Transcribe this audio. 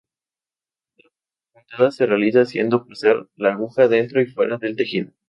La puntada se realiza haciendo pasar la aguja dentro y fuera del tejido.